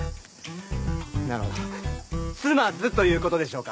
なるほど「妻ズ」ということでしょうか？